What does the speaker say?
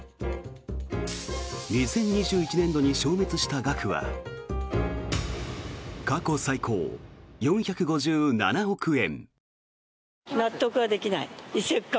２０２１年度に消滅した額は過去最高、４５７億円。